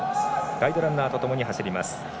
ガイドランナーとともに走ります。